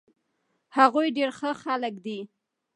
هغوي ډير ښه خلک دي